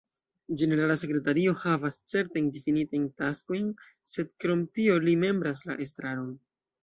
Ĝenerala sekretario havas certajn difinitajn taskojn, sed krom tio li membras la estraron.